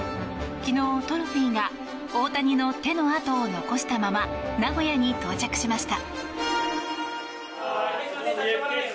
昨日、トロフィーが大谷の手の跡を残したまま名古屋に到着しました。